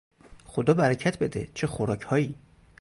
خدا برکت بده، چه خوراکهایی!